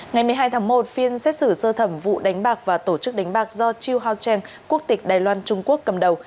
ngày một mươi hai tháng một phiên xét xử sơ thẩm vụ đánh bạc và tổ chức đánh bạc do chiêu hao trang quốc tịch đài loan trung quốc cầm đầu